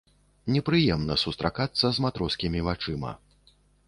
Непрыемна сустракацца з матроскімі вачыма.